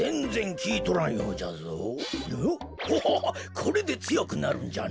これでつよくなるんじゃな。